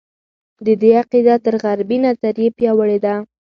د دې عقیده تر غربي نظریې پیاوړې وه.